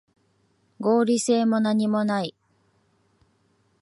合理性もなにもない